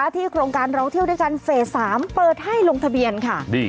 โครงการเราเที่ยวด้วยกันเฟส๓เปิดให้ลงทะเบียนค่ะ